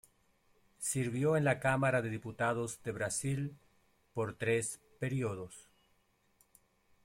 Sirvió en la Cámara de Diputados de Brasil por tres períodos.